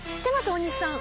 大西さん。